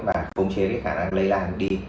và phông chế cái khả năng lây lan đi